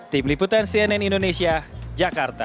tim liputan cnn indonesia jakarta